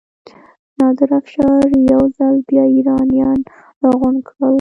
نادر افشار یو ځل بیا ایرانیان راغونډ کړل.